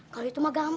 kalau itu mah gampang